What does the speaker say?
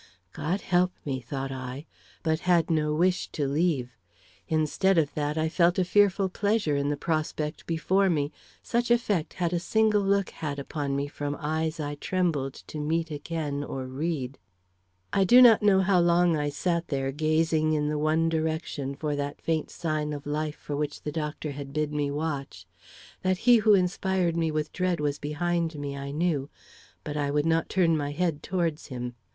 "God help me!" thought I; but had no wish to leave. Instead of that, I felt a fearful pleasure in the prospect before me such effect had a single look had upon me from eyes I trembled to meet again or read. I do not know how long I sat there gazing in the one direction for that faint sign of life for which the doctor had bid me watch. That he who inspired me with dread was behind me, I knew; but I would not turn my head towards him.